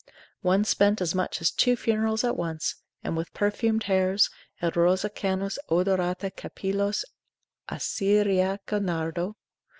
one spent as much as two funerals at once, and with perfumed hairs, et rosa canos odorati capillos Assyriaque nardo.